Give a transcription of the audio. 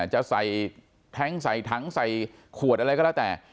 จะใส่แท้งใส่ถังใส่ขวดอะไรก็แล้วแต่